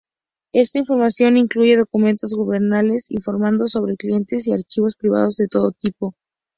Esa información incluye documentos gubernamentales, información sobre clientes, y archivos privados de todo tipo.